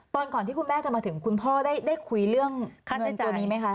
ก่อนก่อนที่คุณแม่จะมาถึงคุณพ่อได้คุยเรื่องเงินตัวนี้ไหมคะ